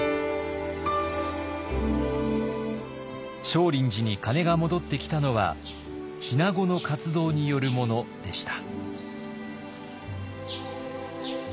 少林寺に鐘が戻ってきたのは日名子の活動によるものでした。